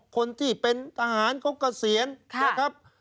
คนที่เป็นทหารเขาเกษียณนะครับ